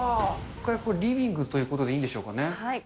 これはリビングということでいいんでしょうかね。